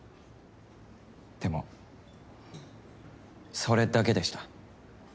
でもそれだけでした。